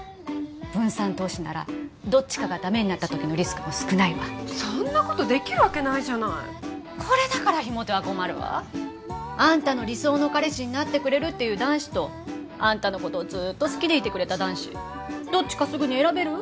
分散投資ならどっちかがダメになったときのリスクも少ないわそんなことできるわけないじゃないこれだから非モテは困るわあんたの理想の彼氏になってくれるっていう男子とあんたのことをずーっと好きでいてくれた男子どっちかすぐに選べる？